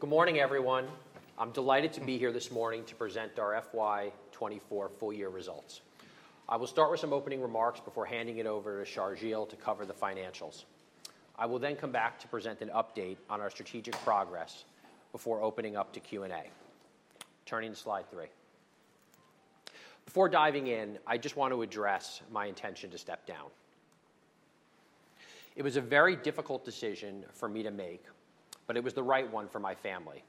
Good morning, everyone. I'm delighted to be here this morning to present our FY 2024 full-year results. I will start with some opening remarks before handing it over to Sharjeel to cover the financials. I will then come back to present an update on our strategic progress before opening up to Q&A. Turning to slide three. Before diving in, I just want to address my intention to step down. It was a very difficult decision for me to make, but it was the right one for my family.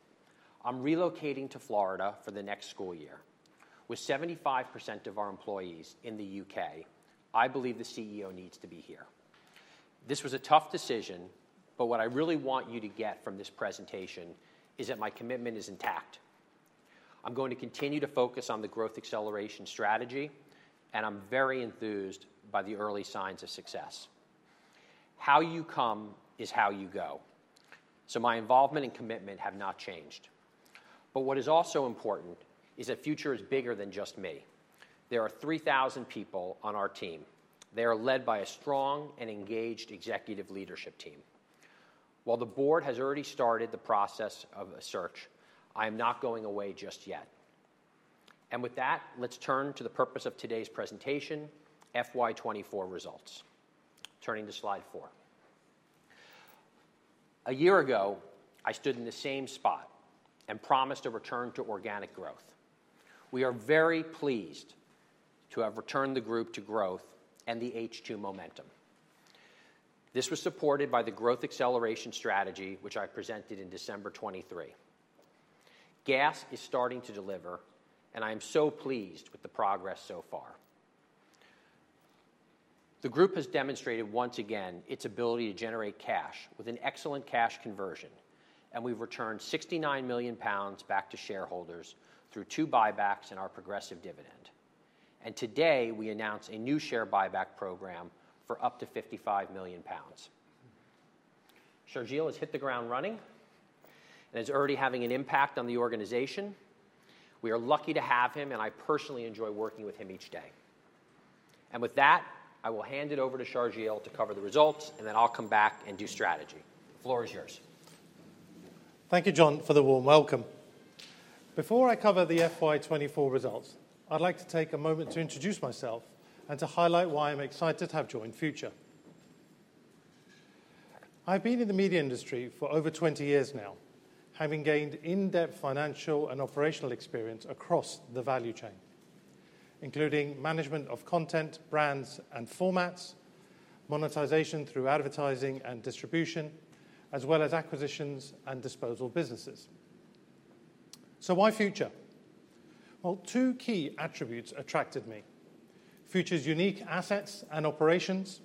I'm relocating to Florida for the next school year. With 75% of our employees in the U.K., I believe the CEO needs to be here. This was a tough decision, but what I really want you to get from this presentation is that my commitment is intact. I'm going to continue to focus on the growth acceleration strategy, and I'm very enthused by the early signs of success. How you come is how you go. So my involvement and commitment have not changed. But what is also important is that Future is bigger than just me. There are 3,000 people on our team. They are led by a strong and engaged executive leadership team. While the board has already started the process of a search, I am not going away just yet, and with that, let's turn to the purpose of today's presentation, FY 2024 results. Turning to slide four. A year ago, I stood in the same spot and promised a return to organic growth. We are very pleased to have returned the group to growth and the H2 momentum. This was supported by the growth acceleration strategy, which I presented in December 2023. GAS is starting to deliver, and I am so pleased with the progress so far. The group has demonstrated once again its ability to generate cash with an excellent cash conversion, and we've returned 69 million pounds back to shareholders through two buybacks and our progressive dividend. Today, we announce a new share buyback program for up to 55 million pounds. Sharjeel has hit the ground running and is already having an impact on the organization. We are lucky to have him, and I personally enjoy working with him each day. With that, I will hand it over to Sharjeel to cover the results, and then I'll come back and do strategy. The floor is yours. Thank you, Jon, for the warm welcome. Before I cover the FY 2024 results, I'd like to take a moment to introduce myself and to highlight why I'm excited to have joined Future. I've been in the media industry for over 20 years now, having gained in-depth financial and operational experience across the value chain, including management of content, brands, and formats, monetization through advertising and distribution, as well as acquisitions and disposal businesses. So why Future? Well, two key attributes attracted me: Future's unique assets and operations,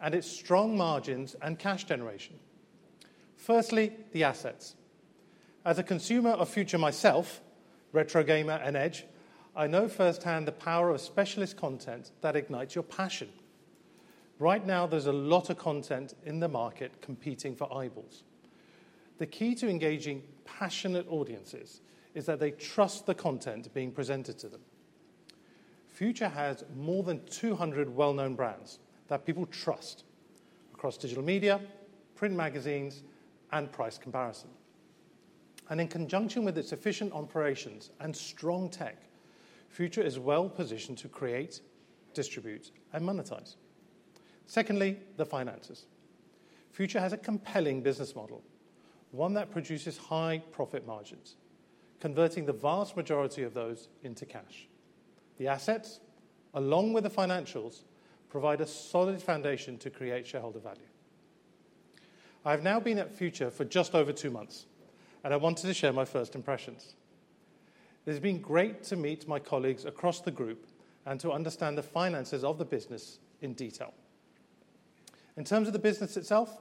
and its strong margins and cash generation. Firstly, the assets. As a consumer of Future myself, Retro Gamer and Edge, I know firsthand the power of specialist content that ignites your passion. Right now, there's a lot of content in the market competing for eyeballs. The key to engaging passionate audiences is that they trust the content being presented to them. Future has more than 200 well-known brands that people trust across digital media, print magazines, and price comparison and in conjunction with its efficient operations and strong tech, Future is well-positioned to create, distribute, and monetize. Secondly, the finances. Future has a compelling business model, one that produces high profit margins, converting the vast majority of those into cash. The assets, along with the financials, provide a solid foundation to create shareholder value. I have now been at Future for just over two months, and I wanted to share my first impressions. It has been great to meet my colleagues across the group and to understand the finances of the business in detail. In terms of the business itself,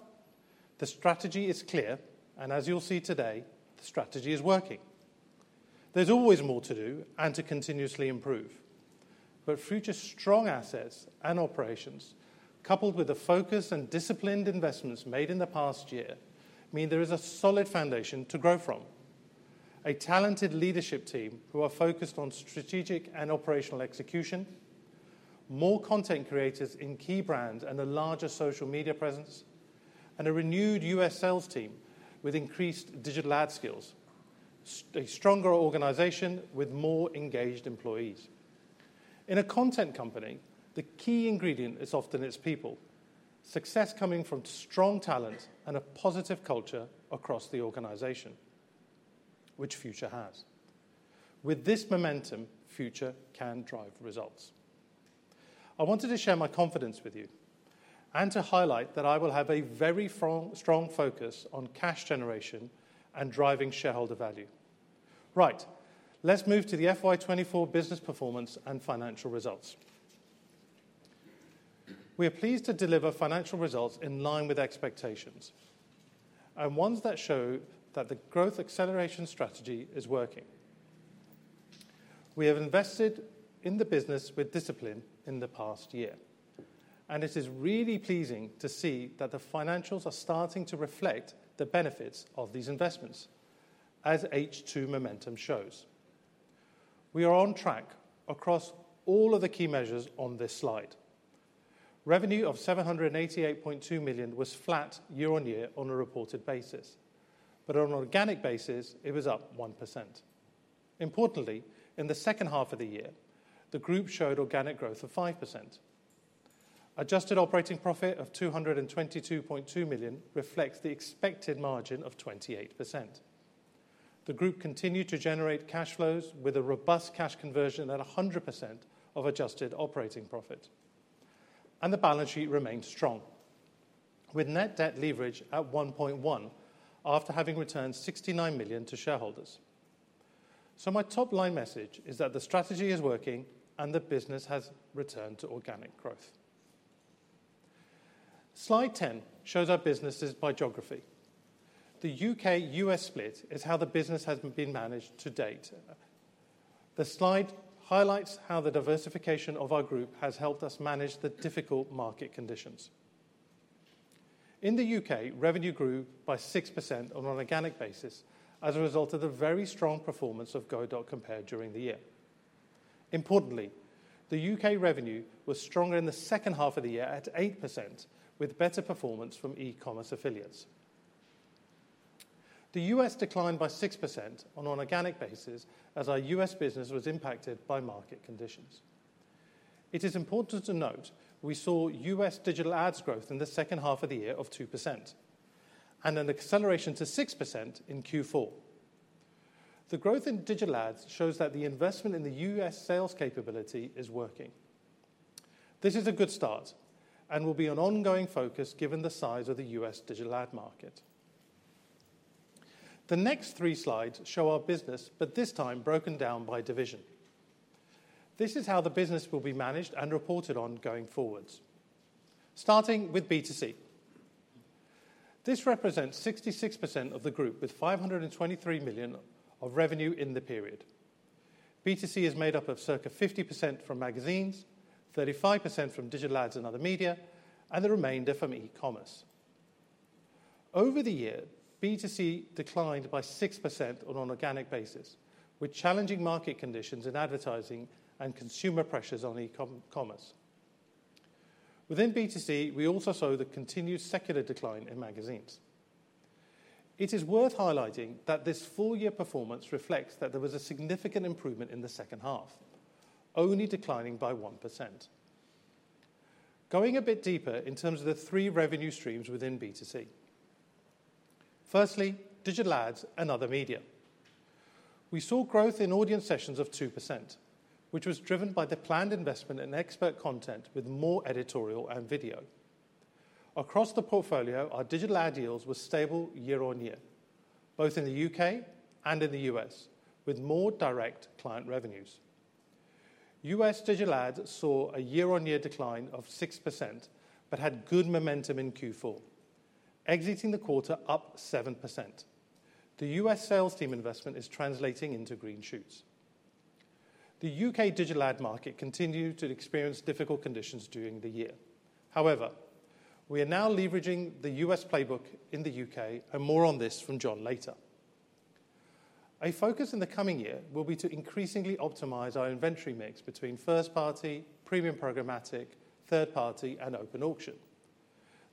the strategy is clear, and as you'll see today, the strategy is working. There's always more to do and to continuously improve. But Future's strong assets and operations, coupled with the focus and disciplined investments made in the past year, mean there is a solid foundation to grow from. A talented leadership team who are focused on strategic and operational execution, more content creators in key brands and a larger social media presence, and a renewed U.S. sales team with increased digital ad skills, a stronger organization with more engaged employees. In a content company, the key ingredient is often its people. Success coming from strong talent and a positive culture across the organization, which Future has. With this momentum, Future can drive results. I wanted to share my confidence with you and to highlight that I will have a very strong focus on cash generation and driving shareholder value. Right, let's move to the FY 2024 business performance and financial results. We are pleased to deliver financial results in line with expectations and ones that show that the growth acceleration strategy is working. We have invested in the business with discipline in the past year, and it is really pleasing to see that the financials are starting to reflect the benefits of these investments, as H2 momentum shows. We are on track across all of the key measures on this slide. Revenue of 788.2 million was flat year-on-year on a reported basis, but on an organic basis, it was up 1%. Importantly, in the second half of the year, the group showed organic growth of 5%. Adjusted operating profit of 222.2 million reflects the expected margin of 28%. The group continued to generate cash flows with a robust cash conversion at 100% of adjusted operating profit, and the balance sheet remained strong, with net debt leverage at 1.1 after having returned 69 million to shareholders. So my top-line message is that the strategy is working and the business has returned to organic growth. Slide 10 shows our businesses by geography. The UK-US split is how the business has been managed to date. The slide highlights how the diversification of our group has helped us manage the difficult market conditions. In the UK, revenue grew by 6% on an organic basis as a result of the very strong performance of Go.Compare during the year. Importantly, the UK revenue was stronger in the second half of the year at 8%, with better performance from e-commerce affiliates. The U.S. declined by 6% on an organic basis as our U.S. business was impacted by market conditions. It is important to note we saw U.S. digital ads growth in the second half of the year of 2% and an acceleration to 6% in Q4. The growth in digital ads shows that the investment in the U.S. sales capability is working. This is a good start and will be an ongoing focus given the size of the U.S. digital ad market. The next three slides show our business, but this time broken down by division. This is how the business will be managed and reported on going forwards, starting with B2C. This represents 66% of the group with 523 million of revenue in the period. B2C is made up of circa 50% from magazines, 35% from digital ads and other media, and the remainder from e-commerce. Over the year, B2C declined by 6% on an organic basis, with challenging market conditions in advertising and consumer pressures on e-commerce. Within B2C, we also saw the continued secular decline in magazines. It is worth highlighting that this full-year performance reflects that there was a significant improvement in the second half, only declining by 1%. Going a bit deeper in terms of the three revenue streams within B2C, firstly, digital ads and other media. We saw growth in audience sessions of 2%, which was driven by the planned investment in expert content with more editorial and video. Across the portfolio, our digital ad deals were stable year-on-year, both in the U.K. and in the U.S., with more direct client revenues. U.S. digital ads saw a year-on-year decline of 6% but had good momentum in Q4, exiting the quarter up 7%. The U.S. sales team investment is translating into green shoots. The U.K. digital ad market continued to experience difficult conditions during the year. However, we are now leveraging the U.S. playbook in the U.K., and more on this from Jon later. A focus in the coming year will be to increasingly optimize our inventory mix between first-party, premium programmatic, third-party, and open auction.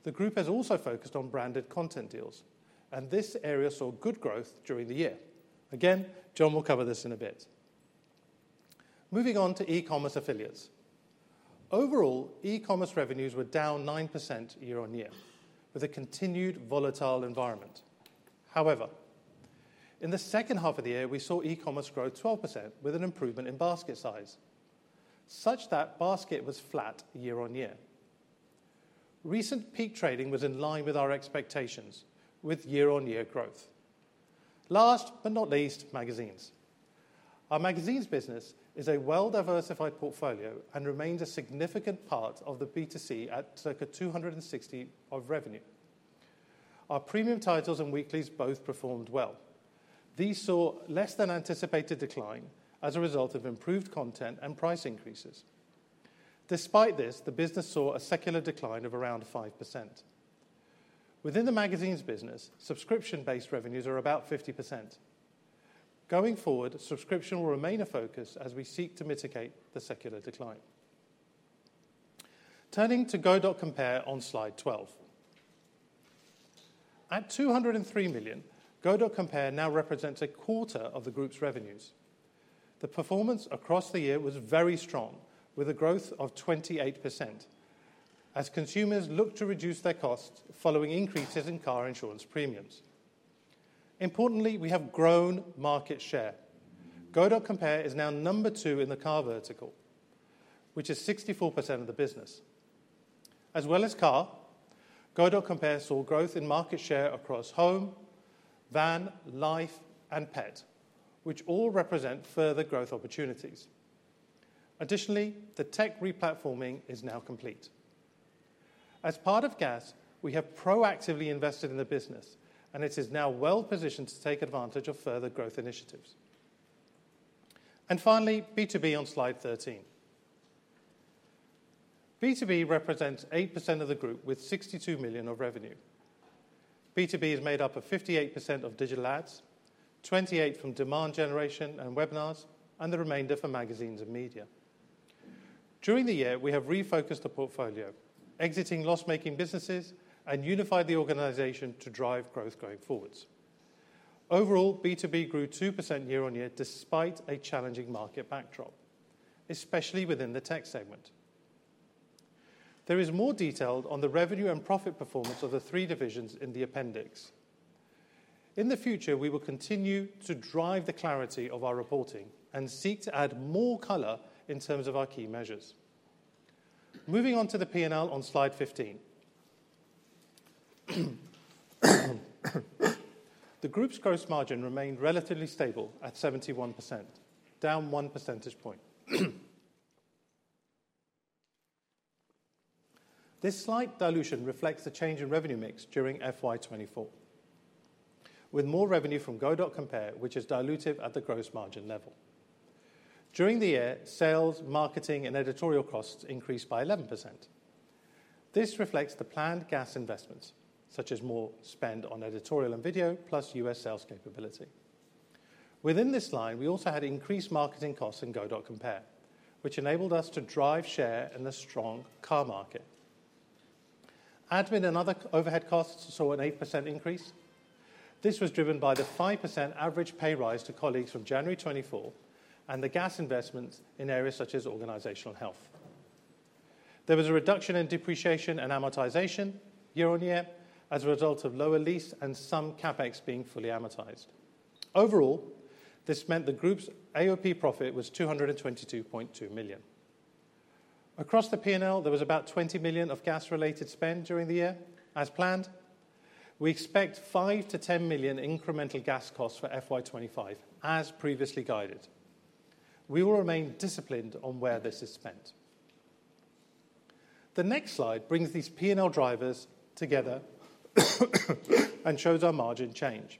The group has also focused on branded content deals, and this area saw good growth during the year. Again, Jon will cover this in a bit. Moving on to e-commerce affiliates. Overall, e-commerce revenues were down 9% year-on-year, with a continued volatile environment. However, in the second half of the year, we saw e-commerce grow 12%, with an improvement in basket size, such that basket was flat year-on-year. Recent peak trading was in line with our expectations, with year-on-year growth. Last but not least, magazines. Our magazines business is a well-diversified portfolio and remains a significant part of the B2C at circa 260% of revenue. Our premium titles and weeklies both performed well. These saw less-than-anticipated decline as a result of improved content and price increases. Despite this, the business saw a secular decline of around 5%. Within the magazines business, subscription-based revenues are about 50%. Going forward, subscription will remain a focus as we seek to mitigate the secular decline. Turning to Go.Compare on slide 12. At 203 million, Go.Compare now represents a quarter of the group's revenues. The performance across the year was very strong, with a growth of 28% as consumers look to reduce their costs following increases in car insurance premiums. Importantly, we have grown market share. Go.Compare is now number two in the car vertical, which is 64% of the business. As well as car, Go.Compare saw growth in market share across home, van, life, and pet, which all represent further growth opportunities. Additionally, the tech replatforming is now complete. As part of GAS, we have proactively invested in the business, and it is now well-positioned to take advantage of further growth initiatives. And finally, B2B on slide 13. B2B represents 8% of the group with 62 million of revenue. B2B is made up of 58% of digital ads, 28% from demand generation and webinars, and the remainder for magazines and media. During the year, we have refocused the portfolio, exiting loss-making businesses, and unified the organization to drive growth going forwards. Overall, B2B grew 2% year-on-year despite a challenging market backdrop, especially within the tech segment. There is more detail on the revenue and profit performance of the three divisions in the appendix. In the future, we will continue to drive the clarity of our reporting and seek to add more color in terms of our key measures. Moving on to the P&L on slide 15. The group's gross margin remained relatively stable at 71%, down 1 percentage point. This slight dilution reflects the change in revenue mix during FY 2024, with more revenue from Go.Compare, which is dilutive at the gross margin level. During the year, sales, marketing, and editorial costs increased by 11%. This reflects the planned GAS investments, such as more spend on editorial and video, plus U.S. sales capability. Within this line, we also had increased marketing costs in Go.Compare, which enabled us to drive share in the strong car market. Admin and other overhead costs saw an 8% increase. This was driven by the 5% average pay rise to colleagues from January 2024 and the GAS investments in areas such as organizational health. There was a reduction in depreciation and amortization year-on-year as a result of lower lease and some CapEx being fully amortized. Overall, this meant the group's AOP profit was 222.2 million. Across the P&L, there was about 20 million of GAS-related spend during the year. As planned, we expect 5-10 million incremental GAS costs for FY 2025, as previously guided. We will remain disciplined on where this is spent. The next slide brings these P&L drivers together and shows our margin change.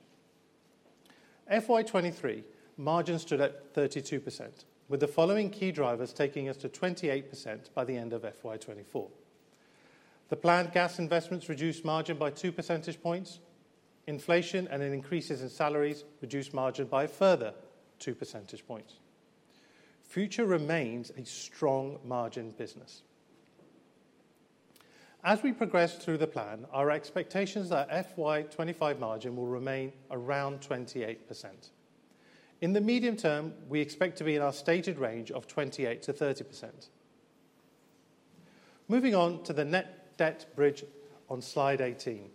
FY 2023, margin stood at 32%, with the following key drivers taking us to 28% by the end of FY 2024. The planned GAS investments reduced margin by 2 percentage points. Inflation and increases in salaries reduced margin by further 2 percentage points. Future remains a strong margin business. As we progress through the plan, our expectations that FY 2025 margin will remain around 28%. In the medium term, we expect to be in our stated range of 28% to 30%. Moving on to the net debt bridge on slide 18.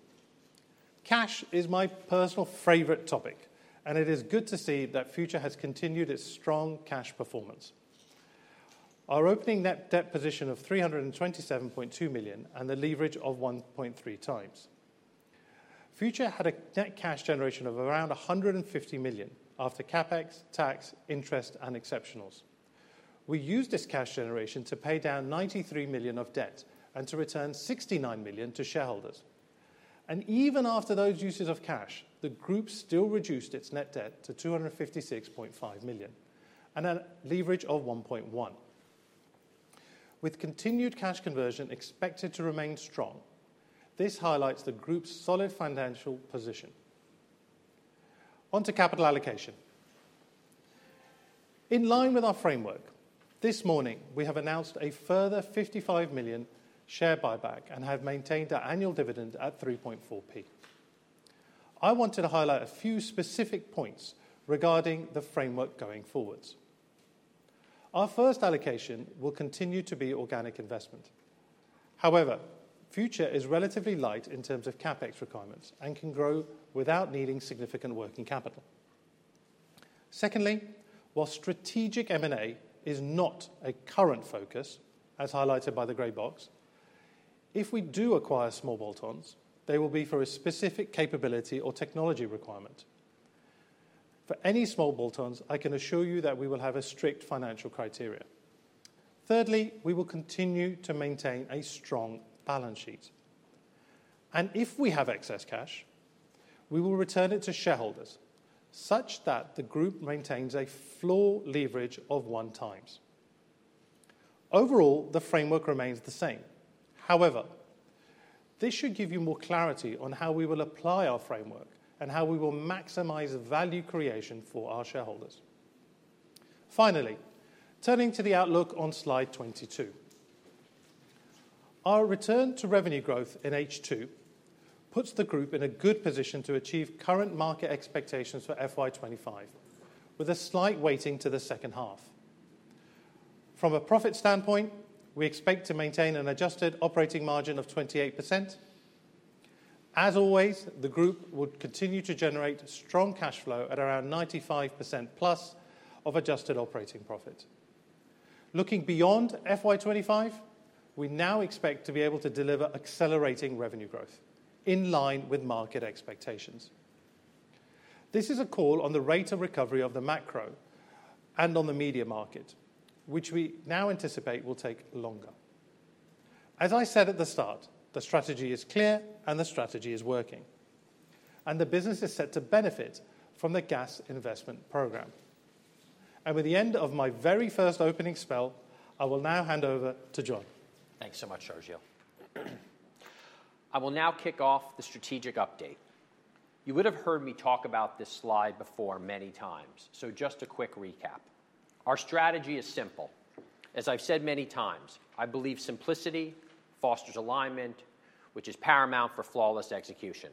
Cash is my personal favorite topic, and it is good to see that Future has continued its strong cash performance. Our opening net debt position of 327.2 million and the leverage of 1.3 times. Future had a net cash generation of around 150 million after CapEx, tax, interest, and exceptionals. We used this cash generation to pay down 93 million of debt and to return 69 million to shareholders. And even after those uses of cash, the group still reduced its net debt to 256.5 million and a leverage of 1.1, with continued cash conversion expected to remain strong. This highlights the group's solid financial position. Onto capital allocation. In line with our framework, this morning, we have announced a further 55 million share buyback and have maintained our annual dividend at 3.4p. I wanted to highlight a few specific points regarding the framework going forwards. Our first allocation will continue to be organic investment. However, Future is relatively light in terms of CapEx requirements and can grow without needing significant working capital. Secondly, while strategic M&A is not a current focus, as highlighted by the gray box, if we do acquire small bolt-ons, they will be for a specific capability or technology requirement. For any small bolt-ons, I can assure you that we will have strict financial criteria. Thirdly, we will continue to maintain a strong balance sheet. And if we have excess cash, we will return it to shareholders such that the group maintains a floor leverage of one times. Overall, the framework remains the same. However, this should give you more clarity on how we will apply our framework and how we will maximize value creation for our shareholders. Finally, turning to the outlook on slide 22. Our return to revenue growth in H2 puts the group in a good position to achieve current market expectations for FY 2025, with a slight weighting to the second half. From a profit standpoint, we expect to maintain an adjusted operating margin of 28%. As always, the group would continue to generate strong cash flow at around 95% plus of adjusted operating profit. Looking beyond FY 2025, we now expect to be able to deliver accelerating revenue growth in line with market expectations. This is a call on the rate of recovery of the macro and on the media market, which we now anticipate will take longer. As I said at the start, the strategy is clear and the strategy is working, and the business is set to benefit from the GAS investment program, and with the end of my very first opening spiel, I will now hand over to Jon. Thanks so much, Sharjeel. I will now kick off the strategic update. You would have heard me talk about this slide before many times, so just a quick recap. Our strategy is simple. As I've said many times, I believe simplicity fosters alignment, which is paramount for flawless execution.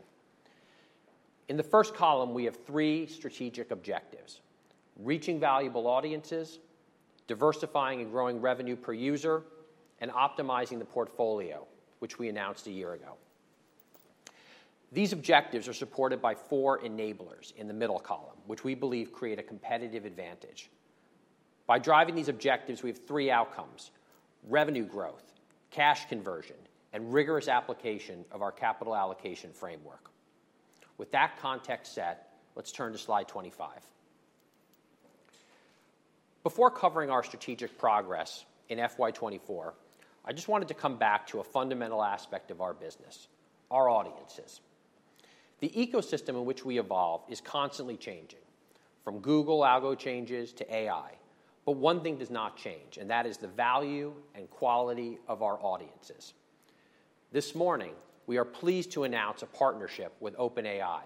In the first column, we have three strategic objectives: reaching valuable audiences, diversifying and growing revenue per user, and optimizing the portfolio, which we announced a year ago. These objectives are supported by four enablers in the middle column, which we believe create a competitive advantage. By driving these objectives, we have three outcomes: revenue growth, cash conversion, and rigorous application of our capital allocation framework. With that context set, let's turn to slide 25. Before covering our strategic progress in FY 2024, I just wanted to come back to a fundamental aspect of our business: our audiences. The ecosystem in which we evolve is constantly changing, from Google algo changes to AI, but one thing does not change, and that is the value and quality of our audiences. This morning, we are pleased to announce a partnership with OpenAI,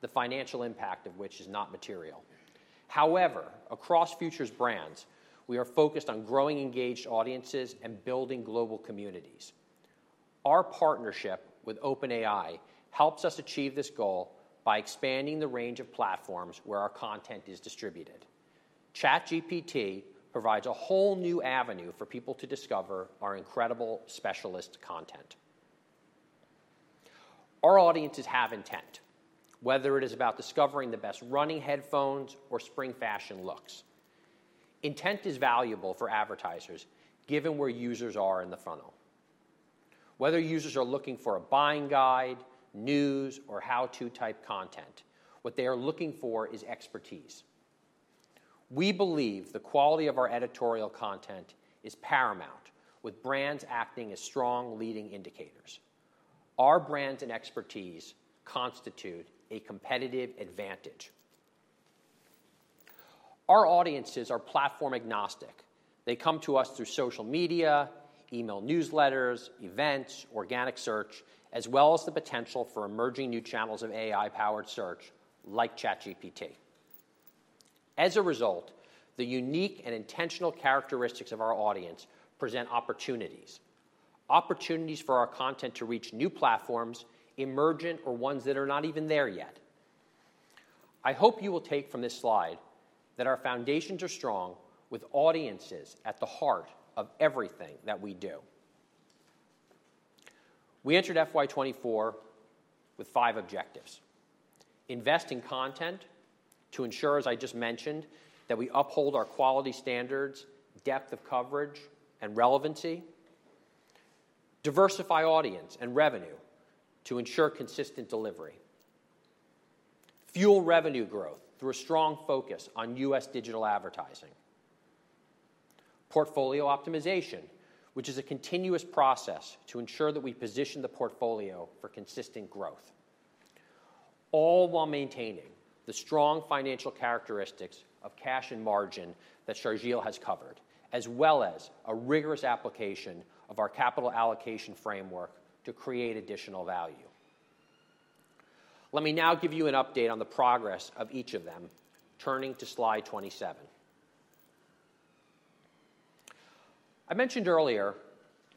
the financial impact of which is not material. However, across Future's brands, we are focused on growing engaged audiences and building global communities. Our partnership with OpenAI helps us achieve this goal by expanding the range of platforms where our content is distributed. ChatGPT provides a whole new avenue for people to discover our incredible specialist content. Our audiences have intent, whether it is about discovering the best running headphones or spring fashion looks. Intent is valuable for advertisers, given where users are in the funnel. Whether users are looking for a buying guide, news, or how-to type content, what they are looking for is expertise. We believe the quality of our editorial content is paramount, with brands acting as strong leading indicators. Our brands and expertise constitute a competitive advantage. Our audiences are platform agnostic. They come to us through social media, email newsletters, events, organic search, as well as the potential for emerging new channels of AI-powered search like ChatGPT. As a result, the unique and intentional characteristics of our audience present opportunities, opportunities for our content to reach new platforms, emerging, or ones that are not even there yet. I hope you will take from this slide that our foundations are strong, with audiences at the heart of everything that we do. We entered FY 2024 with five objectives: invest in content to ensure, as I just mentioned, that we uphold our quality standards, depth of coverage, and relevancy. Diversify audience and revenue to ensure consistent delivery. Fuel revenue growth through a strong focus on U.S. digital advertising. Portfolio optimization, which is a continuous process to ensure that we position the portfolio for consistent growth, all while maintaining the strong financial characteristics of cash and margin that Sharjeel has covered, as well as a rigorous application of our capital allocation framework to create additional value. Let me now give you an update on the progress of each of them. Turning to slide 27. I mentioned earlier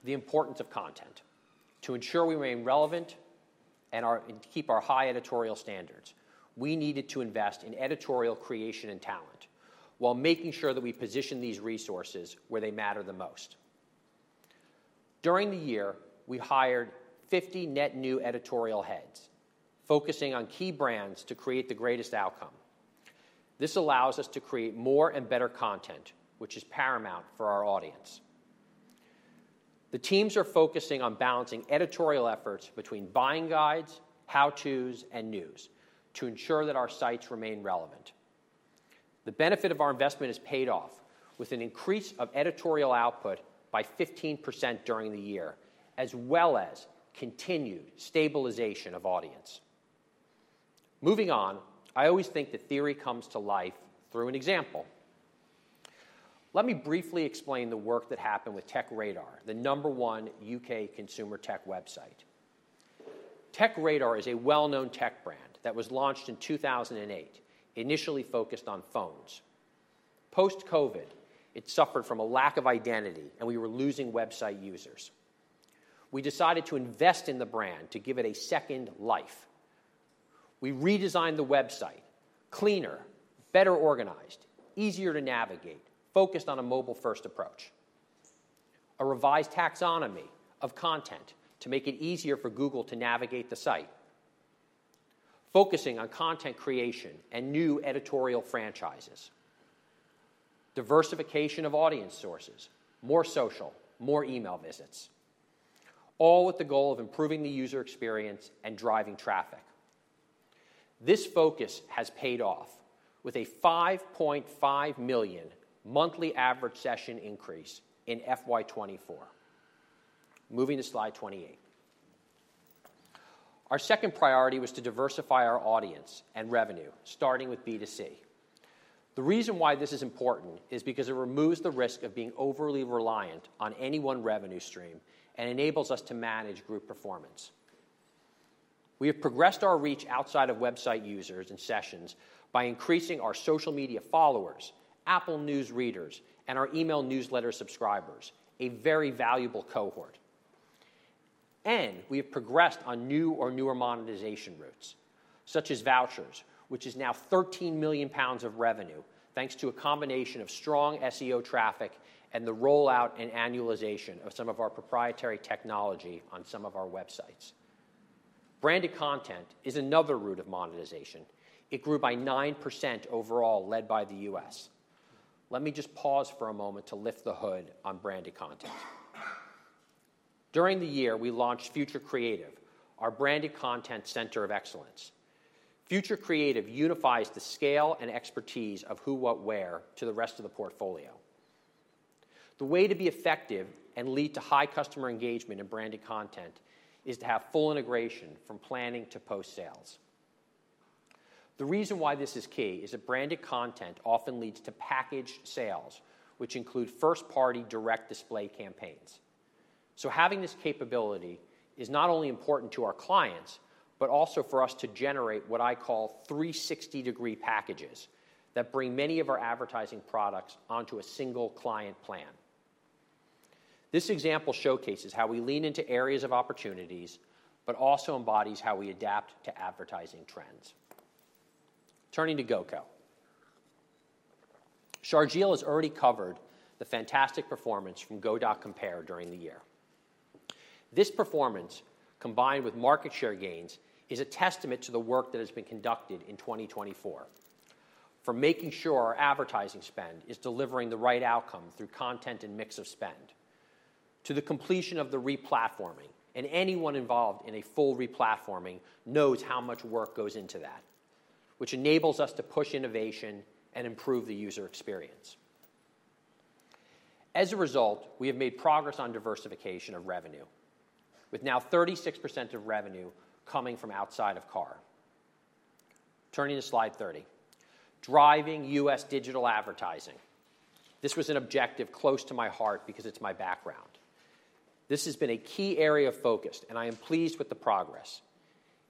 the importance of content to ensure we remain relevant and keep our high editorial standards. We needed to invest in editorial creation and talent while making sure that we position these resources where they matter the most. During the year, we hired 50 net new editorial heads, focusing on key brands to create the greatest outcome. This allows us to create more and better content, which is paramount for our audience. The teams are focusing on balancing editorial efforts between buying guides, how-tos, and news to ensure that our sites remain relevant. The benefit of our investment has paid off with an increase of editorial output by 15% during the year, as well as continued stabilization of audience. Moving on, I always think that theory comes to life through an example. Let me briefly explain the work that happened with TechRadar, the number one UK consumer tech website. TechRadar is a well-known tech brand that was launched in 2008, initially focused on phones. Post-COVID, it suffered from a lack of identity, and we were losing website users. We decided to invest in the brand to give it a second life. We redesigned the website: cleaner, better organized, easier to navigate, focused on a mobile-first approach. A revised taxonomy of content to make it easier for Google to navigate the site. Focusing on content creation and new editorial franchises. Diversification of audience sources. More social. More email visits, all with the goal of improving the user experience and driving traffic. This focus has paid off with a 5.5 million monthly average session increase in FY 2024. Moving to slide 28. Our second priority was to diversify our audience and revenue, starting with B2C. The reason why this is important is because it removes the risk of being overly reliant on any one revenue stream and enables us to manage group performance. We have progressed our reach outside of website users and sessions by increasing our social media followers, Apple News readers, and our email newsletter subscribers, a very valuable cohort. And we have progressed on new or newer monetization routes, such as vouchers, which is now 13 million pounds of revenue, thanks to a combination of strong SEO traffic and the rollout and annualization of some of our proprietary technology on some of our websites. Branded content is another route of monetization. It grew by 9% overall, led by the U.S. Let me just pause for a moment to lift the hood on branded content. During the year, we launched Future Creative, our branded content center of excellence. Future Creative unifies the scale and expertise of who, what, where to the rest of the portfolio. The way to be effective and lead to high customer engagement in branded content is to have full integration from planning to post-sales. The reason why this is key is that branded content often leads to packaged sales, which include first-party direct display campaigns. So having this capability is not only important to our clients, but also for us to generate what I call 360-degree packages that bring many of our advertising products onto a single client plan. This example showcases how we lean into areas of opportunities, but also embodies how we adapt to advertising trends. Turning to Go.Compare. Sharjeel has already covered the fantastic performance from Go.Compare during the year. This performance, combined with market share gains, is a testament to the work that has been conducted in 2024. From making sure our advertising spend is delivering the right outcome through content and mix of spend to the completion of the replatforming, and anyone involved in a full replatforming knows how much work goes into that, which enables us to push innovation and improve the user experience. As a result, we have made progress on diversification of revenue, with now 36% of revenue coming from outside of car. Turning to slide 30. Driving U.S. digital advertising. This was an objective close to my heart because it's my background. This has been a key area of focus, and I am pleased with the progress.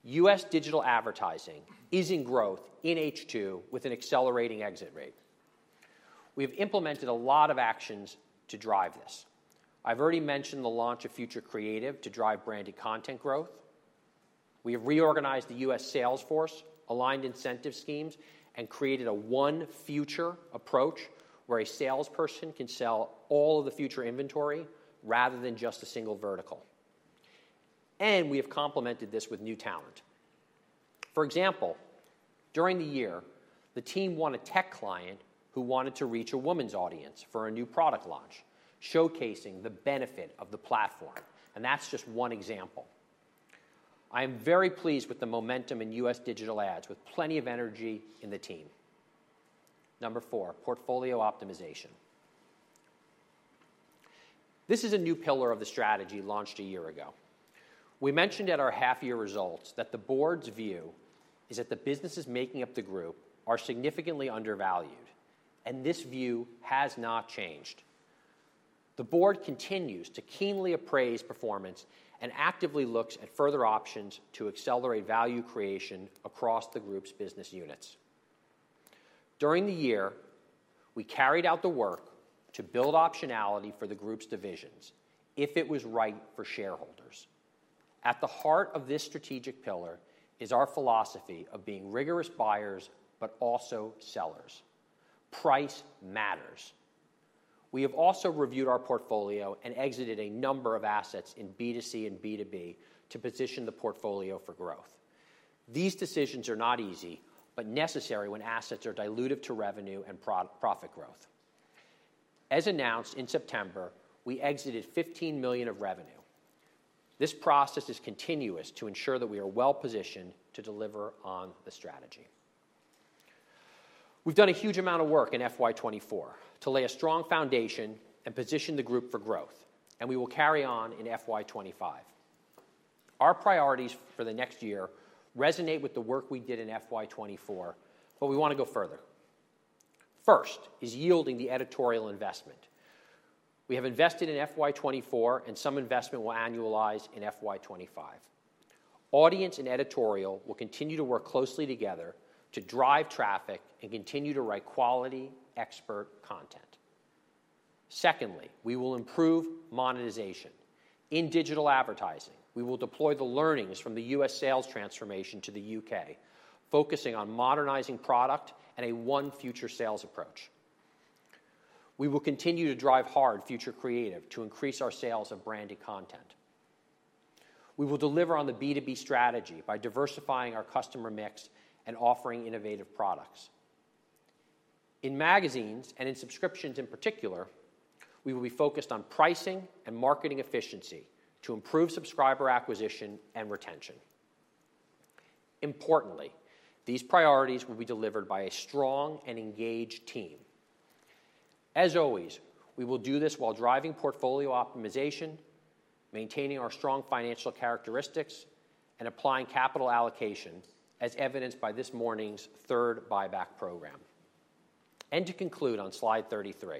U.S. digital advertising is in growth in H2 with an accelerating exit rate. We have implemented a lot of actions to drive this. I've already mentioned the launch of Future Creative to drive branded content growth. We have reorganized the U.S. sales force, aligned incentive schemes, and created a one-Future approach where a salesperson can sell all of the Future inventory rather than just a single vertical. And we have complemented this with new talent. For example, during the year, the team won a tech client who wanted to reach a women's audience for a new product launch, showcasing the benefit of the platform. And that's just one example. I am very pleased with the momentum in U.S. digital ads, with plenty of energy in the team. Number four, portfolio optimization. This is a new pillar of the strategy launched a year ago. We mentioned at our half-year results that the board's view is that the businesses making up the group are significantly undervalued, and this view has not changed. The board continues to keenly appraise performance and actively looks at further options to accelerate value creation across the group's business units. During the year, we carried out the work to build optionality for the group's divisions if it was right for shareholders. At the heart of this strategic pillar is our philosophy of being rigorous buyers, but also sellers. Price matters. We have also reviewed our portfolio and exited a number of assets in B2C and B2B to position the portfolio for growth. These decisions are not easy, but necessary when assets are dilutive to revenue and profit growth. As announced in September, we exited 15 million of revenue. This process is continuous to ensure that we are well-positioned to deliver on the strategy. We've done a huge amount of work in FY 2024 to lay a strong foundation and position the group for growth, and we will carry on in FY 2025. Our priorities for the next year resonate with the work we did in FY 2024, but we want to go further. First is yielding the editorial investment. We have invested in FY 2024, and some investment will annualize in FY 2025. Audience and editorial will continue to work closely together to drive traffic and continue to write quality expert content. Secondly, we will improve monetization. In digital advertising, we will deploy the learnings from the U.S. sales transformation to the U.K., focusing on modernizing product and a one-Future sales approach. We will continue to drive hard Future Creative to increase our sales of branded content. We will deliver on the B2B strategy by diversifying our customer mix and offering innovative products. In magazines and in subscriptions in particular, we will be focused on pricing and marketing efficiency to improve subscriber acquisition and retention. Importantly, these priorities will be delivered by a strong and engaged team. As always, we will do this while driving portfolio optimization, maintaining our strong financial characteristics, and applying capital allocation, as evidenced by this morning's third buyback program, and to conclude on slide 33,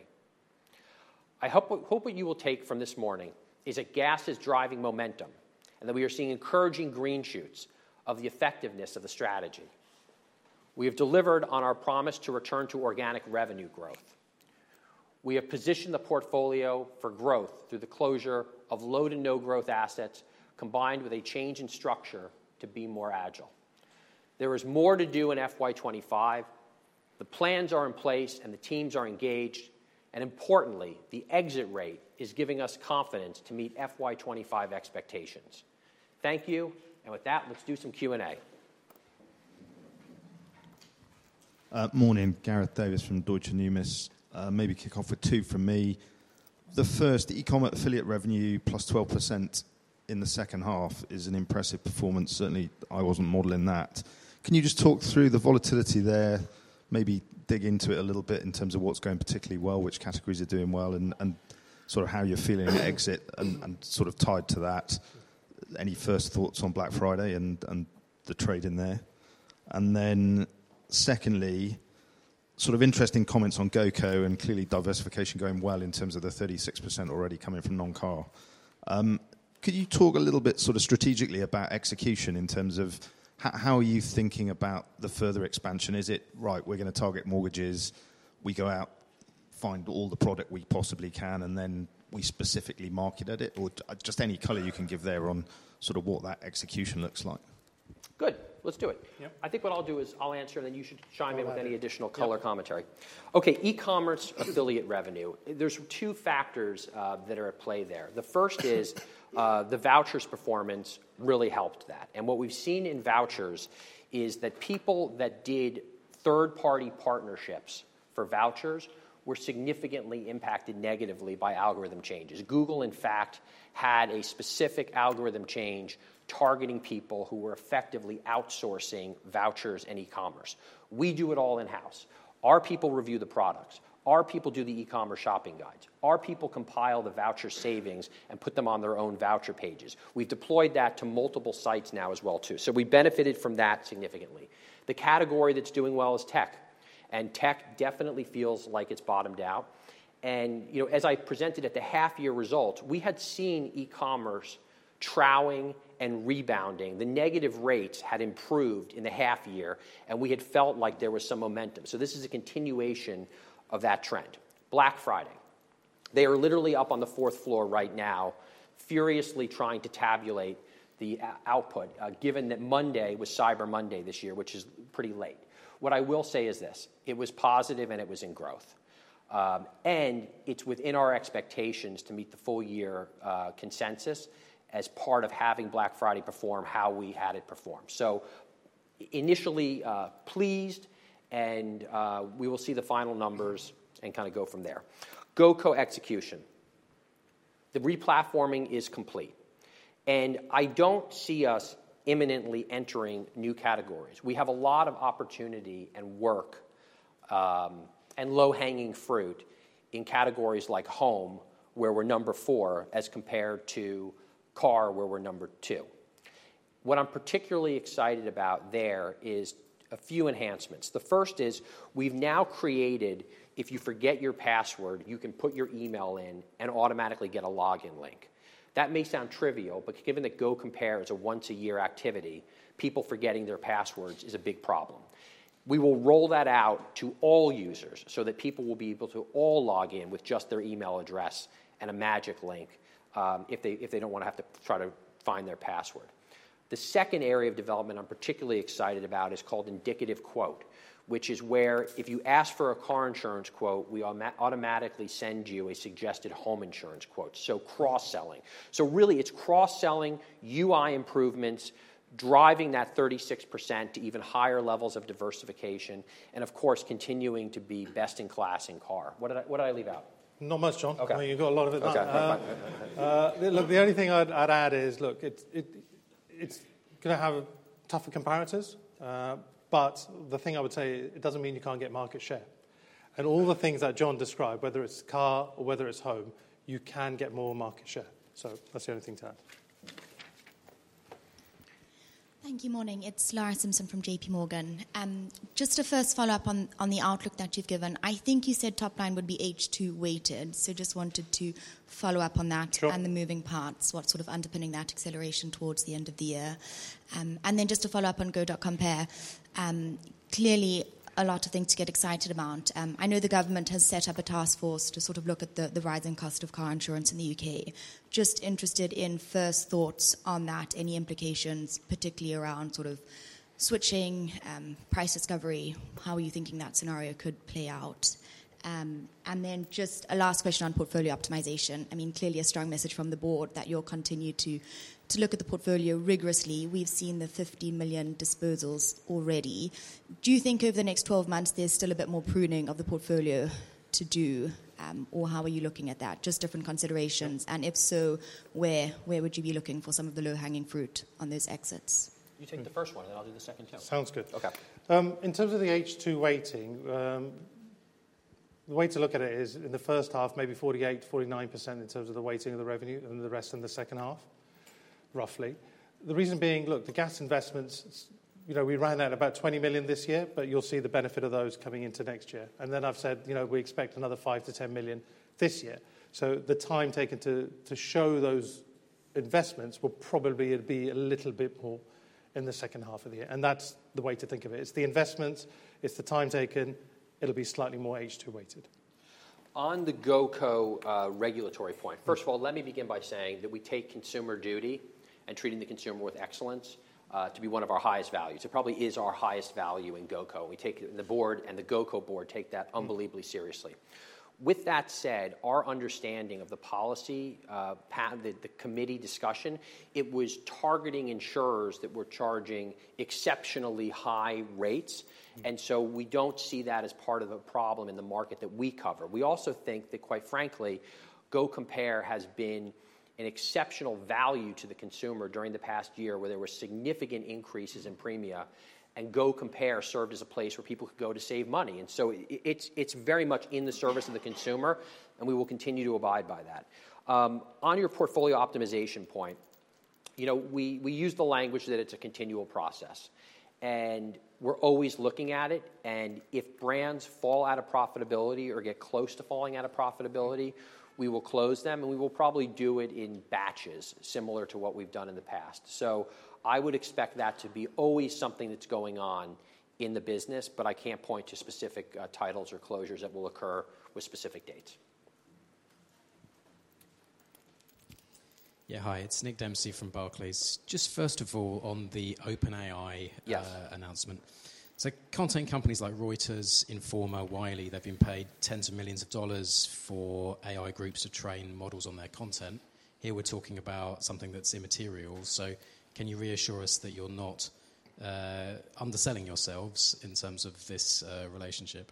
I hope what you will take from this morning is that gas is driving momentum and that we are seeing encouraging green shoots of the effectiveness of the strategy. We have delivered on our promise to return to organic revenue growth. We have positioned the portfolio for growth through the closure of low-to-no-growth assets, combined with a change in structure to be more agile. There is more to do in FY 2025. The plans are in place, and the teams are engaged. Importantly, the exit rate is giving us confidence to meet FY 2025 expectations. Thank you. And with that, let's do some Q&A. Morning, Gareth Davies from Deutsche Numis. Maybe kick off with two from me. The first, the e-commerce affiliate revenue, plus 12% in the second half, is an impressive performance. Certainly, I wasn't modeling that. Can you just talk through the volatility there, maybe dig into it a little bit in terms of what's going particularly well, which categories are doing well, and sort of how you're feeling at exit and sort of tied to that? Any first thoughts on Black Friday and the trade in there? And then secondly, sort of interesting comments on Go.Compare and clearly diversification going well in terms of the 36% already coming from non-car. Could you talk a little bit sort of strategically about execution in terms of how are you thinking about the further expansion? Is it, right, we're going to target mortgages, we go out, find all the product we possibly can, and then we specifically market at it? Or just any color you can give there on sort of what that execution looks like? Good. Let's do it. I think what I'll do is I'll answer, and then you should chime in with any additional color commentary. Okay. E-commerce affiliate revenue. There's two factors that are at play there. The first is the vouchers performance really helped that. And what we've seen in vouchers is that people that did third-party partnerships for vouchers were significantly impacted negatively by algorithm changes. Google, in fact, had a specific algorithm change targeting people who were effectively outsourcing vouchers and e-commerce. We do it all in-house. Our people review the products. Our people do the e-commerce shopping guides. Our people compile the voucher savings and put them on their own voucher pages. We've deployed that to multiple sites now as well, too. So we benefited from that significantly. The category that's doing well is tech, and tech definitely feels like it's bottomed out. And as I presented at the half-year results, we had seen e-commerce troughing and rebounding. The negative rates had improved in the half-year, and we had felt like there was some momentum. So this is a continuation of that trend. Black Friday. They are literally up on the fourth floor right now, furiously trying to tabulate the output, given that Monday was Cyber Monday this year, which is pretty late. What I will say is this: it was positive, and it was in growth. It's within our expectations to meet the full-year consensus as part of having Black Friday perform how we had it perform. So initially pleased, and we will see the final numbers and kind of go from there. Go.Compare execution. The replatforming is complete. And I don't see us imminently entering new categories. We have a lot of opportunity and work and low-hanging fruit in categories like home, where we're number four, as compared to car, where we're number two. What I'm particularly excited about there is a few enhancements. The first is we've now created, if you forget your password, you can put your email in and automatically get a login link. That may sound trivial, but given that Go.Compare is a once-a-year activity, people forgetting their passwords is a big problem. We will roll that out to all users so that people will be able to all log in with just their email address and a magic link if they don't want to have to try to find their password. The second area of development I'm particularly excited about is called indicative quote, which is where if you ask for a car insurance quote, we automatically send you a suggested home insurance quote. So cross-selling. So really, it's cross-selling, UI improvements, driving that 36% to even higher levels of diversification, and of course, continuing to be best in class in car. What did I leave out? Not much, Jon. I mean, you've got a lot of it. Look, the only thing I'd add is, look, it's going to have tougher comparators, but the thing I would say, it doesn't mean you can't get market share. And all the things that Jon described, whether it's car or whether it's home, you can get more market share. So that's the only thing to add. Thank you, Morning. It's Lara Simpson from J.P. Morgan. Just a first follow-up on the outlook that you've given. I think you said top line would be H2-weighted, so just wanted to follow up on that and the moving parts, what's sort of underpinning that acceleration towards the end of the year. And then just to follow up on Go.Compare, clearly a lot of things to get excited about. I know the government has set up a task force to sort of look at the rising cost of car insurance in the UK. Just interested in first thoughts on that, any implications, particularly around sort of switching, price discovery, how are you thinking that scenario could play out? Then just a last question on portfolio optimization. I mean, clearly a strong message from the board that you'll continue to look at the portfolio rigorously. We've seen the 50 million disposals already. Do you think over the next 12 months there's still a bit more pruning of the portfolio to do, or how are you looking at that? Just different considerations. And if so, where would you be looking for some of the low-hanging fruit on those exits? You take the first one, and then I'll do the second too. Sounds good. Okay. In terms of the H2 weighting, the way to look at it is in the first half, maybe 48%, 49% in terms of the weighting of the revenue and the rest in the second half, roughly. The reason being, look, the GAS investments, we ran out about 20 million this year, but you'll see the benefit of those coming into next year. And then I've said we expect another 5-10 million this year. So the time taken to show those investments will probably be a little bit more in the second half of the year. And that's the way to think of it. It's the investments, it's the time taken, it'll be slightly more H2-weighted. On the Go.Compare regulatory point, first of all, let me begin by saying that we take consumer duty and treating the consumer with excellence to be one of our highest values. It probably is our highest value in Go.Compare. The board and the Go.Compare board take that unbelievably seriously. With that said, our understanding of the policy, the committee discussion, it was targeting insurers that were charging exceptionally high rates, and so we don't see that as part of the problem in the market that we cover. We also think that, quite frankly, Go.Compare has been an exceptional value to the consumer during the past year where there were significant increases in premia, and Go.Compare served as a place where people could go to save money, and so it's very much in the service of the consumer, and we will continue to abide by that. On your portfolio optimization point, we use the language that it's a continual process, and we're always looking at it. And if brands fall out of profitability or get close to falling out of profitability, we will close them, and we will probably do it in batches, similar to what we've done in the past. So I would expect that to be always something that's going on in the business, but I can't point to specific titles or closures that will occur with specific dates. Yeah, hi. It's Nick Dempsey from Barclays. Just first of all, on the OpenAI announcement, so content companies like Reuters, Informa, Wiley, they've been paid tens of millions of dollars for AI groups to train models on their content. Here we're talking about something that's immaterial. So can you reassure us that you're not underselling yourselves in terms of this relationship?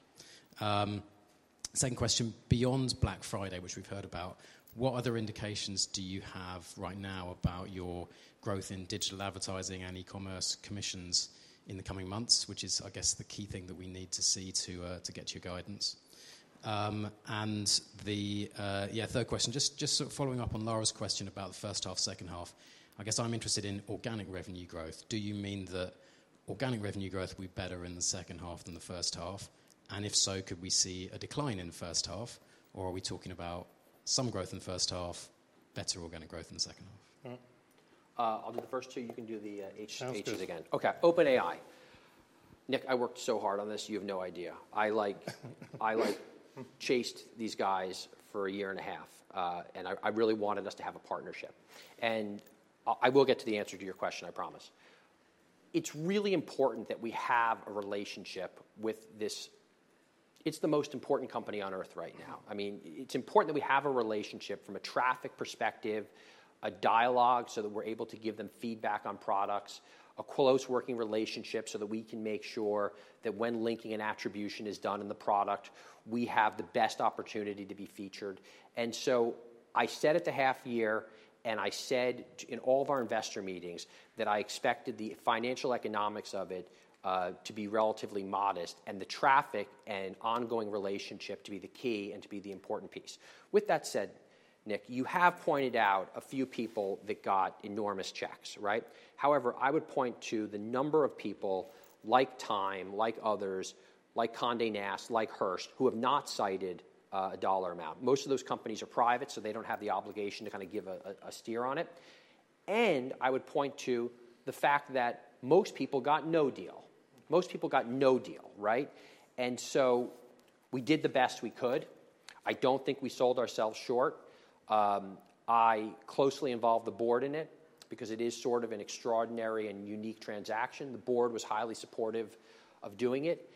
Second question, beyond Black Friday, which we've heard about, what other indications do you have right now about your growth in digital advertising and e-commerce commissions in the coming months, which is, I guess, the key thing that we need to see to get your guidance, and the third question, just sort of following up on Lara's question about the first half, second half, I guess I'm interested in organic revenue growth. Do you mean that organic revenue growth will be better in the second half than the first half, and if so, could we see a decline in the first half, or are we talking about some growth in the first half, better organic growth in the second half? I'll do the first two. You can do the H2s again. Okay. OpenAI. Nick, I worked so hard on this. You have no idea. I chased these guys for a year and a half, and I really wanted us to have a partnership, and I will get to the answer to your question, I promise. It's really important that we have a relationship with this. It's the most important company on earth right now. I mean, it's important that we have a relationship from a traffic perspective, a dialogue so that we're able to give them feedback on products, a close working relationship so that we can make sure that when linking an attribution is done in the product, we have the best opportunity to be featured, and so I said at the half-year, and I said in all of our investor meetings that I expected the financial economics of it to be relatively modest and the traffic and ongoing relationship to be the key and to be the important piece. With that said, Nick, you have pointed out a few people that got enormous checks, right? However, I would point to the number of people like Time, like others, like Condé Nast, like Hearst, who have not cited a dollar amount. Most of those companies are private, so they don't have the obligation to kind of give a steer on it. And I would point to the fact that most people got no deal. Most people got no deal, right? And so we did the best we could. I don't think we sold ourselves short. I closely involved the board in it because it is sort of an extraordinary and unique transaction. The board was highly supportive of doing it.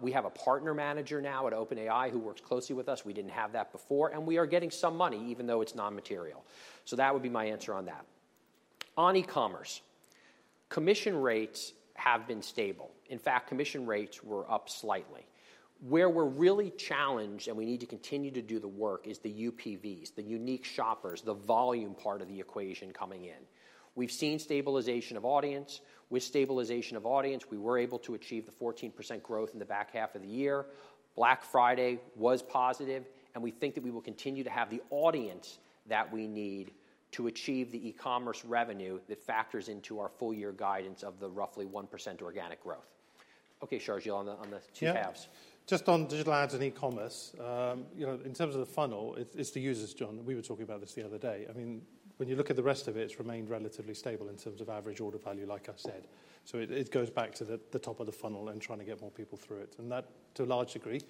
We have a partner manager now at OpenAI who works closely with us. We didn't have that before. And we are getting some money, even though it's non-material. So that would be my answer on that. On e-commerce, commission rates have been stable. In fact, commission rates were up slightly. Where we're really challenged and we need to continue to do the work is the UPVs, the unique shoppers, the volume part of the equation coming in. We've seen stabilization of audience. With stabilization of audience, we were able to achieve the 14% growth in the back half of the year. Black Friday was positive, and we think that we will continue to have the audience that we need to achieve the e-commerce revenue that factors into our full-year guidance of the roughly 1% organic growth. Okay, Sharjeel, on the two halves. Just on digital ads and e-commerce, in terms of the funnel, it's the users, Jon. We were talking about this the other day. I mean, when you look at the rest of it, it's remained relatively stable in terms of average order value, like I said. So it goes back to the top of the funnel and trying to get more people through it. And that, to a large degree,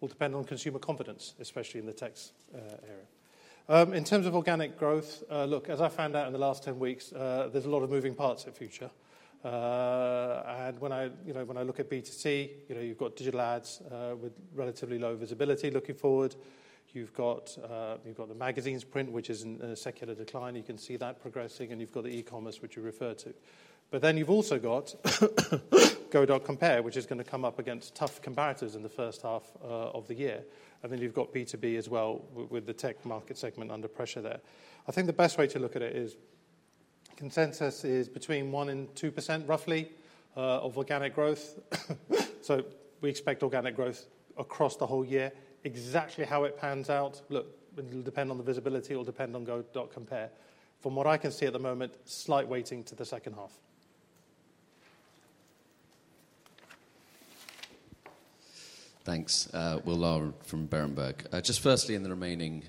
will depend on consumer confidence, especially in the techs area. In terms of organic growth, look, as I found out in the last 10 weeks, there's a lot of moving parts at Future. And when I look at B2C, you've got digital ads with relatively low visibility looking forward. You've got the magazines print, which is in a secular decline. You can see that progressing. And you've got the e-commerce, which you refer to. But then you've also got Go.Compare, which is going to come up against tough comparators in the first half of the year. Then you've got B2B as well with the tech market segment under pressure there. I think the best way to look at it is consensus is between 1%-2%, roughly, of organic growth. So we expect organic growth across the whole year. Exactly how it pans out, look, it'll depend on the visibility. It'll depend on Go.Compare. From what I can see at the moment, slight weighting to the second half. Thanks. Laura from Berenberg. Just firstly, in the remaining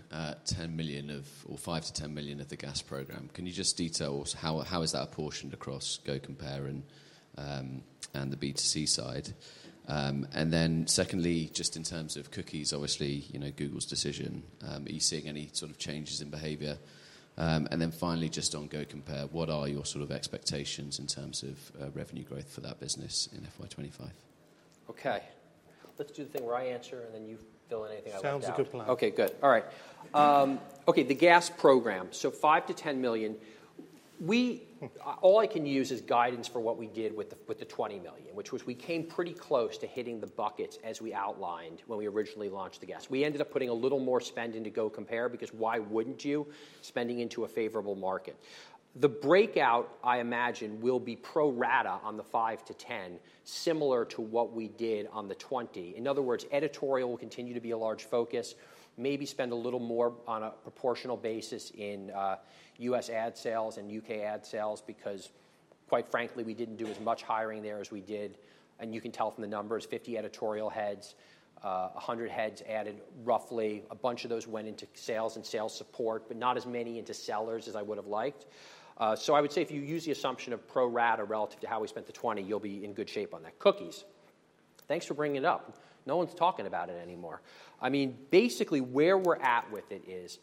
10 million or 5-10 million of the GAS program, can you just detail how is that apportioned across Go.Compare and the B2C side? And then secondly, just in terms of cookies, obviously, Google's decision. Are you seeing any sort of changes in behavior? And then finally, just on Go.Compare, what are your sort of expectations in terms of revenue growth for that business in FY 2025? Okay. Let's do the thing where I answer, and then you fill in anything I wouldn't know. Sounds a good plan. Okay, good. All right. Okay, the GAS program. So 5-10 million. All I can use is guidance for what we did with the 20 million, which was we came pretty close to hitting the buckets as we outlined when we originally launched the GAS. We ended up putting a little more spend into Go.Compare because why wouldn't you? Spending into a favorable market. The breakout, I imagine, will be pro-rata on the 5 to 10, similar to what we did on the 20. In other words, editorial will continue to be a large focus. Maybe spend a little more on a proportional basis in U.S. ad sales and U.K. ad sales because, quite frankly, we didn't do as much hiring there as we did. And you can tell from the numbers, 50 editorial heads, 100 heads added, roughly. A bunch of those went into sales and sales support, but not as many into sellers as I would have liked. So I would say if you use the assumption of pro-rata relative to how we spent the 20, you'll be in good shape on that. Cookies. Thanks for bringing it up. No one's talking about it anymore. I mean, basically, where we're at with it is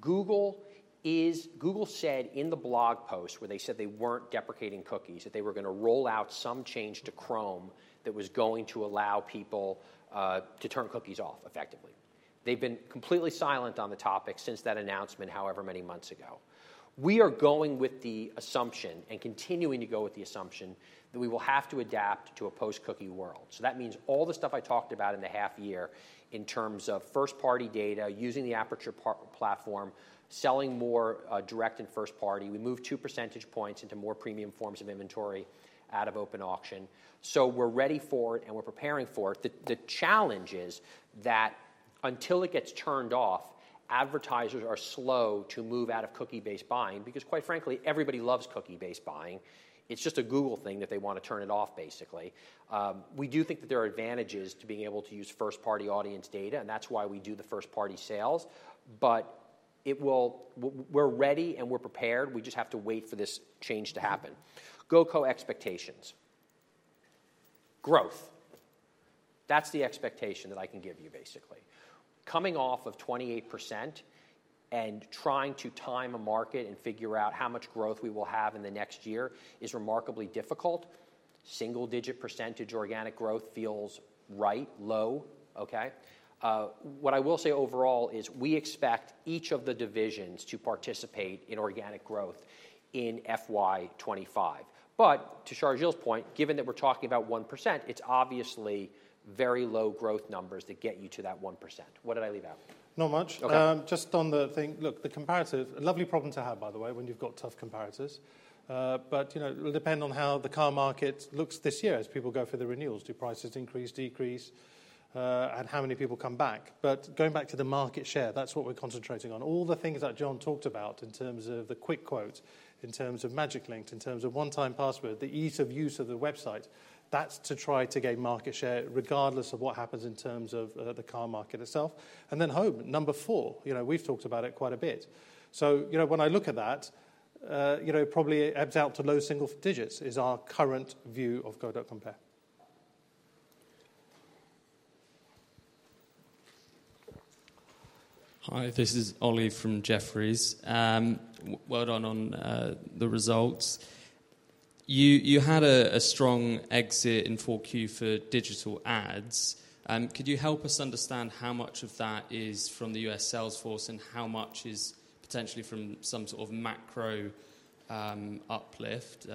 Google said in the blog post where they said they weren't deprecating cookies, that they were going to roll out some change to Chrome that was going to allow people to turn cookies off effectively. They've been completely silent on the topic since that announcement, however many months ago. We are going with the assumption and continuing to go with the assumption that we will have to adapt to a post-cookie world. So that means all the stuff I talked about in the half-year in terms of first-party data, using the Aperture platform, selling more direct and first-party. We moved two percentage points into more premium forms of inventory out of open auction. So we're ready for it, and we're preparing for it. The challenge is that until it gets turned off, advertisers are slow to move out of cookie-based buying because, quite frankly, everybody loves cookie-based buying. It's just a Google thing that they want to turn it off, basically. We do think that there are advantages to being able to use first-party audience data, and that's why we do the first-party sales. But we're ready and we're prepared. We just have to wait for this change to happen. Go.Compare expectations. Growth. That's the expectation that I can give you, basically. Coming off of 28% and trying to time a market and figure out how much growth we will have in the next year is remarkably difficult. Single-digit% organic growth feels right, low. Okay. What I will say overall is we expect each of the divisions to participate in organic growth in FY 2025. But to Sharjeel's point, given that we're talking about 1%, it's obviously very low growth numbers that get you to that 1%. What did I leave out? Not much. Just on the thing, look, the comparative, a lovely problem to have, by the way, when you've got tough comparators. But it'll depend on how the car market looks this year as people go for the renewals. Do prices increase, decrease, and how many people come back? But going back to the market share, that's what we're concentrating on. All the things that Jon talked about in terms of the quick quote, in terms of Magic Link, in terms of one-time password, the ease of use of the website, that's to try to gain market share regardless of what happens in terms of the car market itself. And then home, number four, we've talked about it quite a bit. So when I look at that, probably it adds out to low single digits is our current view of Go.Compare. Hi, this is Ollie from Jefferies. Well done on the results. You had a strong exit in 4Q for digital ads. Could you help us understand how much of that is from the U.S. sales force and how much is potentially from some sort of macro uplift?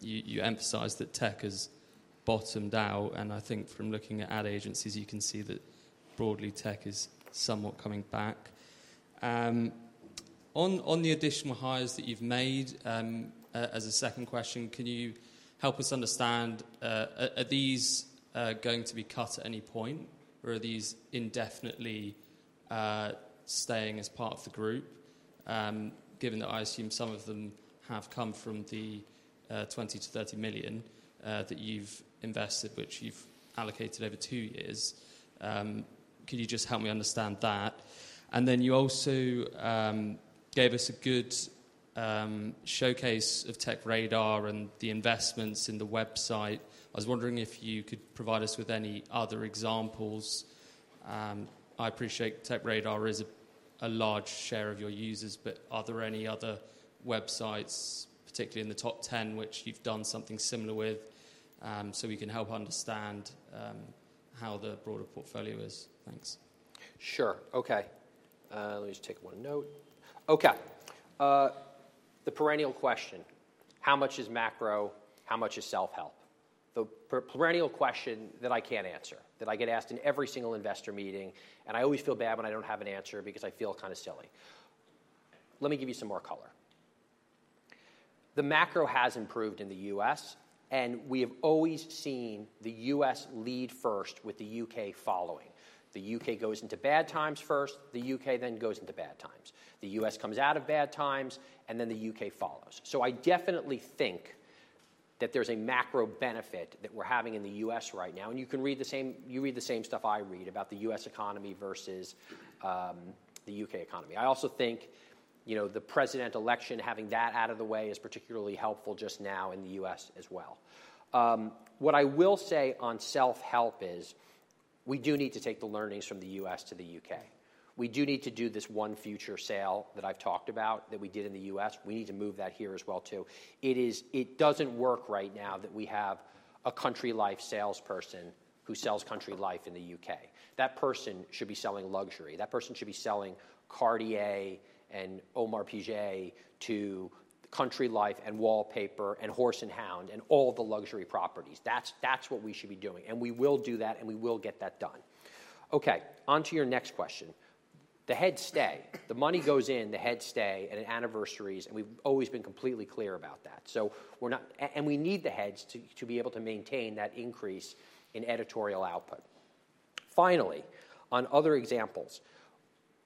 You emphasized that tech has bottomed out, and I think from looking at ad agencies, you can see that broadly tech is somewhat coming back. On the additional hires that you've made, as a second question, can you help us understand, are these going to be cut at any point, or are these indefinitely staying as part of the group, given that I assume some of them have come from the 20 million-30 million that you've invested, which you've allocated over two years? Could you just help me understand that? And then you also gave us a good showcase of TechRadar and the investments in the website. I was wondering if you could provide us with any other examples. I appreciate TechRadar is a large share of your users, but are there any other websites, particularly in the top 10, which you've done something similar with, so we can help understand how the broader portfolio is? Thanks. Sure. Okay. Let me just take one note. Okay. The perennial question, how much is macro, how much is self-help? The perennial question that I can't answer, that I get asked in every single investor meeting, and I always feel bad when I don't have an answer because I feel kind of silly. Let me give you some more color. The macro has improved in the U.S., and we have always seen the U.S. lead first with the U.K. following. The U.K. goes into bad times first. The U.K. then goes into bad times. The U.S. comes out of bad times, and then the U.K. follows. So I definitely think that there's a macro benefit that we're having in the U.S. right now. And you can read the same stuff I read about the U.S. economy versus the U.K. economy. I also think the presidential election having that out of the way is particularly helpful just now in the U.S. as well. What I will say on self-help is we do need to take the learnings from the U.S. to the U.K. We do need to do this One Future sale that I've talked about that we did in the U.S. We need to move that here as well, too. It doesn't work right now that we have a Country Life salesperson who sells Country Life in the U.K. That person should be selling luxury. That person should be selling Cartier and Audemars Piguet to Country Life and Wallpaper* and Horse & Hound and all the luxury properties. That's what we should be doing. And we will do that, and we will get that done. Okay. Onto your next question. The heads stay. The money goes in, the heads stay, and at anniversaries, and we've always been completely clear about that. And we need the heads to be able to maintain that increase in editorial output. Finally, on other examples,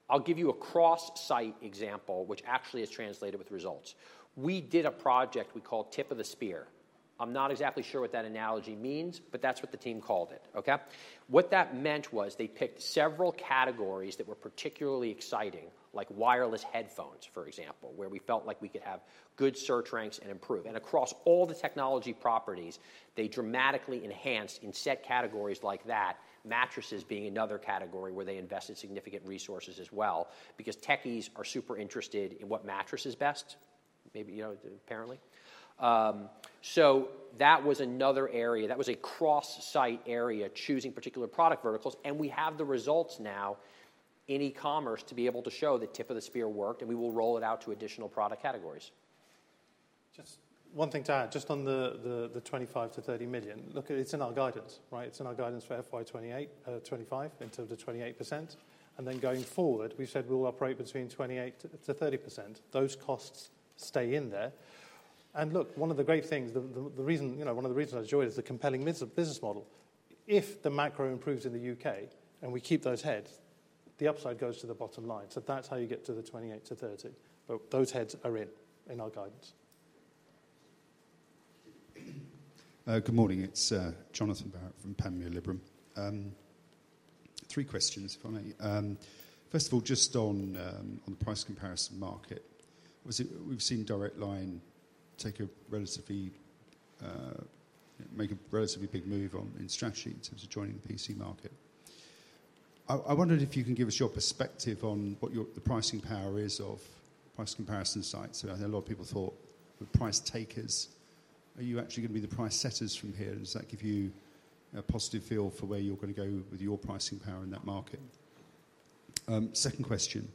I'll give you a cross-site example, which actually is translated with results. We did a project we called Tip of the Spear. I'm not exactly sure what that analogy means, but that's what the team called it. Okay? What that meant was they picked several categories that were particularly exciting, like wireless headphones, for example, where we felt like we could have good search ranks and improve, and across all the technology properties, they dramatically enhanced in set categories like that, mattresses being another category where they invested significant resources as well because techies are super interested in what mattress is best, apparently, so that was another area. That was a cross-site area choosing particular product verticals, and we have the results now in e-commerce to be able to show that Tip of the Spear worked, and we will roll it out to additional product categories. Just one thing to add, just on the 25 million- 30 million. Look, it's in our guidance, right? It's in our guidance for FY 2025 in terms of 28%. And then going forward, we've said we'll operate between 28%-30%. Those costs stay in there. And look, one of the great things, one of the reasons I joined is the compelling business model. If the macro improves in the UK and we keep those heads, the upside goes to the bottom line. So that's how you get to the 28 to 30. But those heads are in, in our guidance. Good morning. It's Johnathan Barrett from Panmure Liberum. Three questions, if I may. First of all, just on the price comparison market, we've seen Direct Line make a relatively big move in strategy in terms of joining the PC market. I wondered if you can give us your perspective on what the pricing power is of price comparison sites. A lot of people thought the price takers, are you actually going to be the price setters from here? Does that give you a positive feel for where you're going to go with your pricing power in that market? Second question.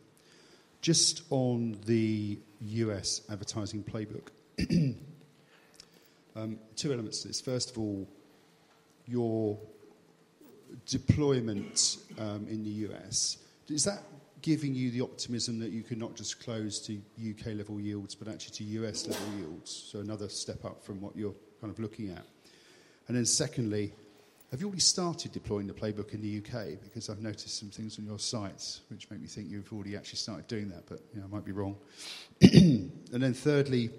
Just on the U.S. advertising playbook, two elements to this. First of all, your deployment in the U.S., is that giving you the optimism that you can not just close to U.K. level yields, but actually to U.S. level yields? So another step up from what you're kind of looking at. And then secondly, have you already started deploying the playbook in the U.K.? Because I've noticed some things on your sites which make me think you've already actually started doing that, but I might be wrong. And then thirdly,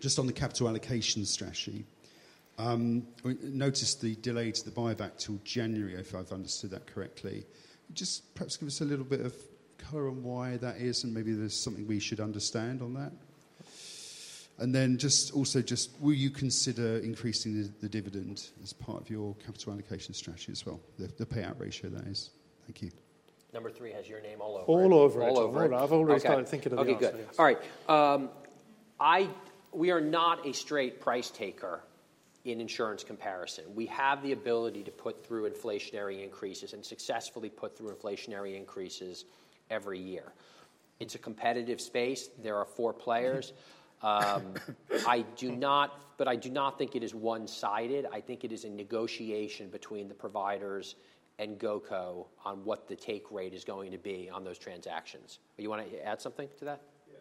just on the capital allocation strategy, noticed the delay to the buyback till January, if I've understood that correctly. Just perhaps give us a little bit of color on why that is, and maybe there's something we should understand on that. And then just also, will you consider increasing the dividend as part of your capital allocation strategy as well? The payout ratio, that is. Thank you. Number three has your name all over it. All over it. All over it. I've always been thinking about it. Okay, good. All right. We are not a straight price taker in insurance comparison. We have the ability to put through inflationary increases and successfully put through inflationary increases every year. It's a competitive space. There are four players. But I do not think it is one-sided. I think it is a negotiation between the providers and Go.Compare on what the take rate is going to be on those transactions. You want to add something to that? Yeah.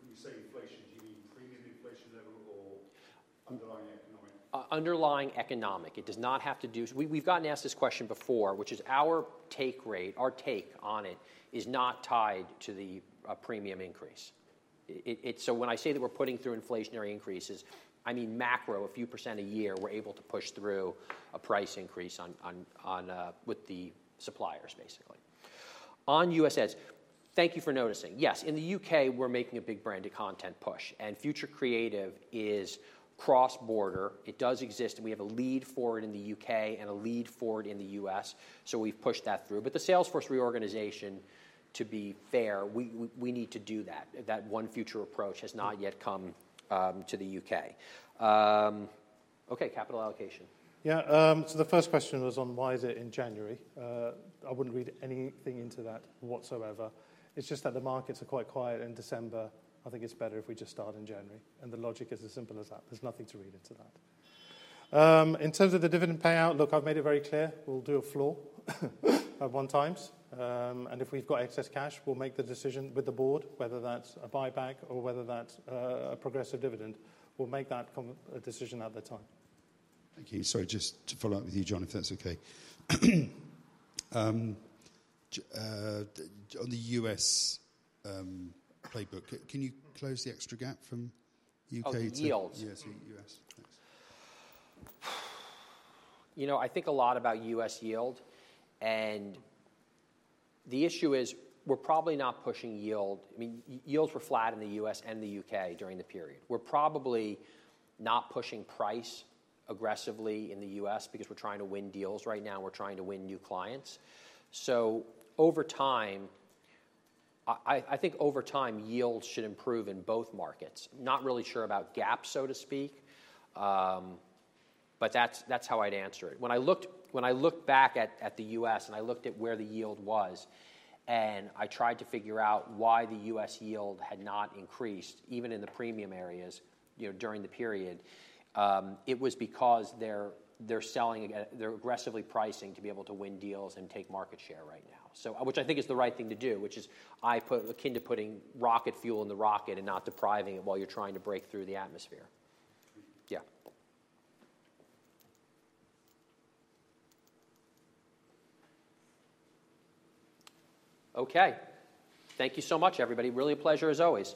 When you say inflation, do you mean premium inflation level or underlying economic? Underlying economic. It does not have to do. We've gotten asked this question before, which is our take rate. Our take on it is not tied to the premium increase. So when I say that we're putting through inflationary increases, I mean macro, a few% a year. We're able to push through a price increase with the suppliers, basically. On U.S. ads, thank you for noticing. Yes, in the U.K., we're making a big branded content push. Future Creative is cross-border. It does exist, and we have a lead for it in the U.K. and a lead for it in the U.S. So we've pushed that through. The sales force reorganization, to be fair, we need to do that. That one future approach has not yet come to the U.K. Okay, capital allocation. Yeah. So the first question was on why is it in January. I wouldn't read anything into that whatsoever. It's just that the markets are quite quiet in December. I think it's better if we just start in January. And the logic is as simple as that. There's nothing to read into that. In terms of the dividend payout, look, I've made it very clear. We'll do a floor of one times. And if we've got excess cash, we'll make the decision with the board, whether that's a buyback or whether that's a progressive dividend. We'll make that a decision at that time. Thank you. Sorry, just to follow up with you, Jon, if that's okay. On the U.S. playbook, can you close the extra gap from U.K. to? Yields. U.S., U.S. Thanks. You know, I think a lot about U.S. yield. And the issue is we're probably not pushing yield. I mean, yields were flat in the U.S. and the U.K. during the period. We're probably not pushing price aggressively in the U.S. because we're trying to win deals right now. We're trying to win new clients. So over time, I think over time, yields should improve in both markets. Not really sure about gaps, so to speak. But that's how I'd answer it. When I looked back at the U.S. and I looked at where the yield was, and I tried to figure out why the U.S. yield had not increased, even in the premium areas during the period, it was because they're aggressively pricing to be able to win deals and take market share right now, which I think is the right thing to do, which is I put akin to putting rocket fuel in the rocket and not depriving it while you're trying to break through the atmosphere. Yeah. Okay. Thank you so much, everybody. Really a pleasure, as always.